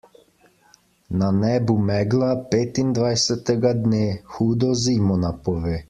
Na nebu megla petindvajsetega dne hudo zimo napove.